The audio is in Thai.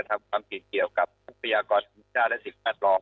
ทำความผิดเกี่ยวกับพุทธภรรยากรศนิษยาและการชอบ